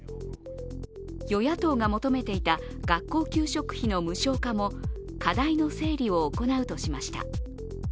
与野党が求めていた学校給食費の無償化も課題の整理を行うとしました。